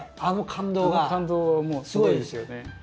あの感動はもうすごいですよね。